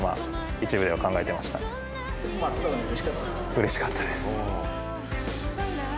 うれしかったですか？